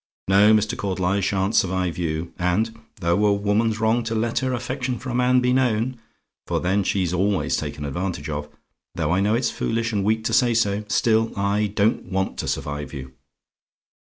No, Mr. Caudle, I sha'n't survive you: and though a woman's wrong to let her affection for a man be known, for then she's always taken advantage of though I know it's foolish and weak to say so, still I don't want to survive you.